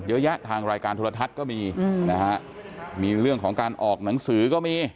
เยอะแยะทางรายการโทรทัศน์ก็มีนะฮะมีเรื่องของการออกหนังสือก็มี